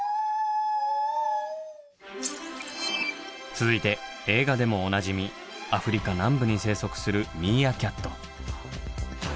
続いて映画でもおなじみアフリカ南部に生息するミーアキャット。